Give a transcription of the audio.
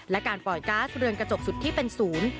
และการปล่อยก๊าซเรือนกระจกสุดที่เป็นศูนย์